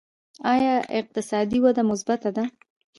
آیا اقتصادي وده مثبته ده؟